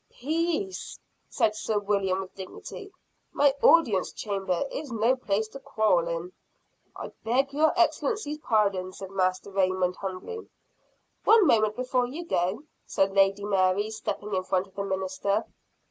"Peace!" said Sir William with dignity. "My audience chamber is no place to quarrel in. "I beg your Excellency's pardon!" said Master Raymond, humbly. "One moment, before you go," said Lady Mary, stepping in front of the minister.